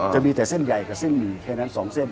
จะมีแต่เส้นใหญ่กับเส้นหมี่แค่นั้น๒เส้น